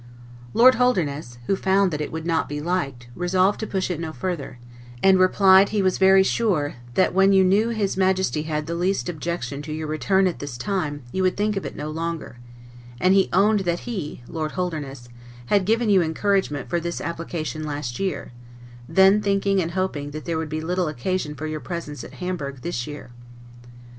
Lord Holderness, who found that it would not be liked, resolved to push it no further; and replied, he was very sure that when you knew his Majesty had the least objection to your return at this time, you would think of it no longer; and he owned that he (Lord Holderness) had given you encouragement for this application last year, then thinking and hoping that there would be little occasion for your presence at Hamburg this year.